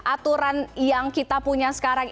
aturan yang kita punya sekarang